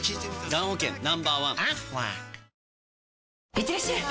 いってらっしゃい！